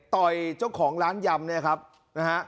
ต่อยเจ้าของร้านยำเนี่ยครับนะฮะ